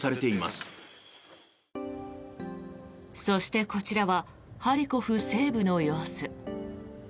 そして、こちらはハリコフ西部の様子。